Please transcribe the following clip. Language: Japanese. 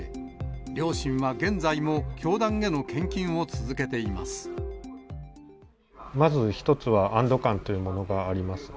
両親は現在も教団への献金を続けまず一つは、安ど感というものがあります。